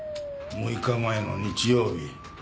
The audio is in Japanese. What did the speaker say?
６日前の日曜日